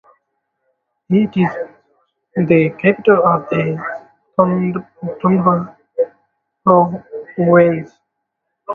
It is the capital of the Tundama Province.